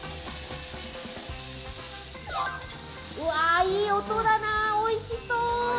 いい音だな、おいしそう！